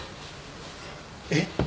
えっ？